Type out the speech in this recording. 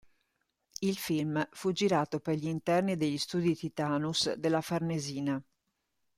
Il film fu girato per gli interni negli studi Titanus della Farnesina.